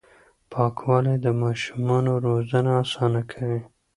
پاکوالي د ماشومانو روزنه اسانه کوي.